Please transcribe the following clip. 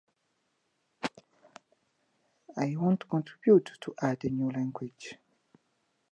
The following eight species are recognized as being valid.